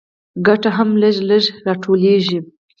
ګټه هم لږ لږ راټولېږي